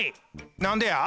なんでや？